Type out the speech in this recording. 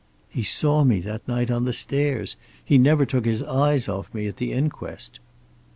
"He saw me that night, on the stairs. He never took his eyes off me at the inquest."